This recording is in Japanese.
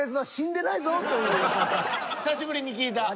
久しぶりに聞いた。